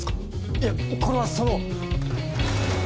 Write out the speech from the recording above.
いやこれはその。